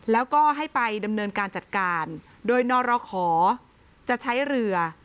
แล้วก็ให้ไปดำเนินการจัดการโดยนรขอจะใช้เรือ